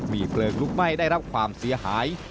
มีเพลิงลุกไหม้ได้รับความเสียหาย